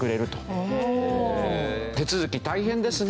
手続き大変ですね。